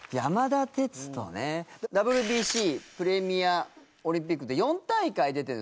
ＷＢＣプレミアオリンピックって４大会出てる。